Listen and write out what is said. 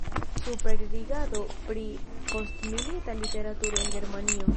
Superrigardo pri postmilita literaturo en Germanio.